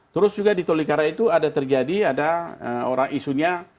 terus juga di tolikara itu ada terjadi ada orang isunya